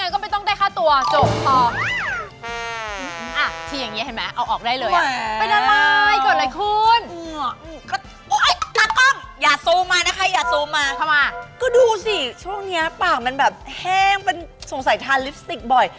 ก็ดูสิช่วงนี้ปากมันแบบแห้งเป็นสงสัยทานลิปสติกบ่อย